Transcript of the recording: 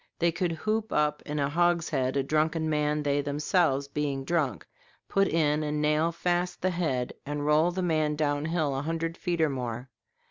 They could hoop up in a hogshead a drunken man, they themselves being drunk, put in and nail fast the head, and roll the man down hill a hundred feet or more.